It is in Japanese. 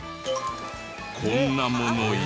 こんなものや。